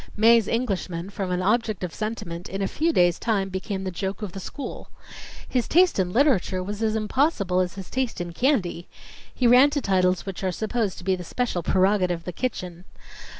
Mae's Englishman, from an object of sentiment, in a few days' time became the joke of the school. His taste in literature was as impossible as his taste in candy. He ran to titles which are supposed to be the special prerogative of the kitchen.